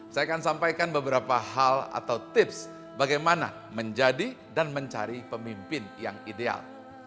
saya akan sampaikan beberapa hal atau tips bagaimana menjadi dan mencari pemimpin yang ideal